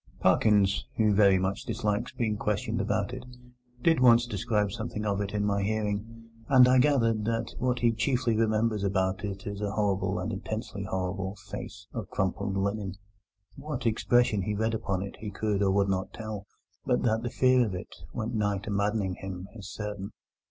Parkins, who very much dislikes being questioned about it, did once describe something of it in my hearing, and I gathered that what he chiefly remembers about it is a horrible, an intensely horrible, face of crumpled linen. What expression he read upon it he could not or would not tell, but that the fear of it went nigh to maddening him is certain.